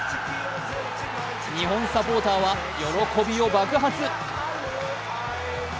日本サポーターは喜びを爆発。